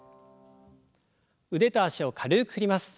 腕と脚を軽く振ります。